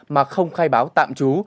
mà không khai báo tạm trú